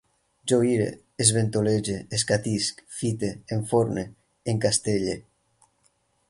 Jo ire, esventolege, escatisc, fite, enforne, encastelle